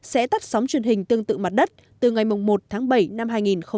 sẽ tắt sóng truyền hình tương tự mặt đất từ ngày một tháng bảy năm hai nghìn hai mươi